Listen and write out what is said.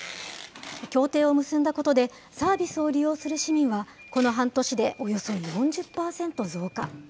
協定を結んだことで、サービスを利用する市民はこの半年でおよそ４０％増加。